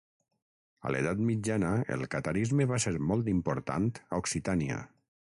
A l'edat mitjana el catarisme va ser molt important a Occitània.